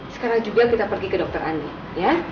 sekarang juga kita pergi ke dokter andi ya